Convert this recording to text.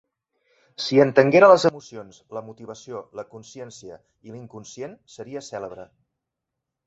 Si entenguera les emocions, la motivació, la consciència i l'inconscient, seria cèlebre.